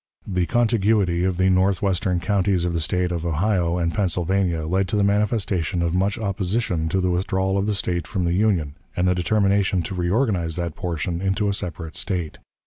The contiguity of the northwestern counties of the State to Ohio and Pennsylvania led to the manifestation of much opposition to the withdrawal of the State from the Union, and the determination to reorganize that portion into a separate State.